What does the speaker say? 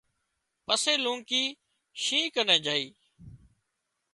پسي لونڪي شينهن ڪنين جھئي